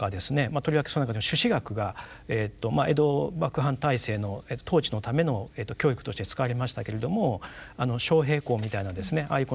とりわけその中でも朱子学が江戸幕藩体制の統治のための教育として使われましたけれども昌平黌みたいなですねああいう